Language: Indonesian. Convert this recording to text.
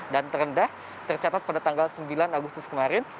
dan terendah tercatat pada tanggal sembilan agustus kemarin